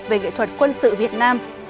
về nghệ thuật quân sự việt nam